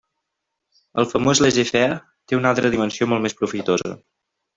El famós laissez faire té una altra dimensió molt més profitosa.